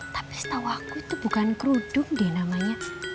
tapi setau aku itu bukan keruduk deh namanya